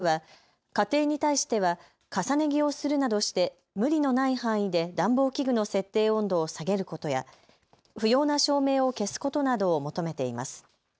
そこで政府は家庭に対しては重ね着をするなどして無理のない範囲で暖房器具の設定温度を下げることや不要な照明を消すことなどを求めています。